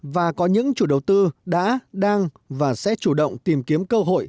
và có những chủ đầu tư đã đang và sẽ chủ động tìm kiếm